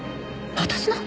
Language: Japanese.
私の！？